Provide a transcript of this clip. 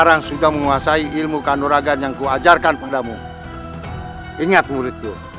jangan jangan orang itu adalah kamandaka